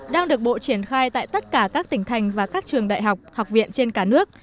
đang được bộ triển khai tại tất cả các tỉnh thành và các trường đại học học viện trên cả nước